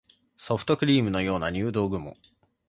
ソフトクリームのような入道雲